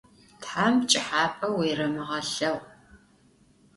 Tham pç'ıhap'eu vuêremığelheğu.